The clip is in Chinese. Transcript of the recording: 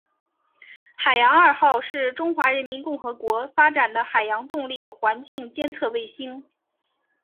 海洋二号是中华人民共和国发展的海洋动力环境监测卫星。